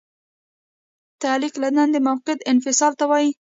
تعلیق له دندې موقت انفصال ته وایي.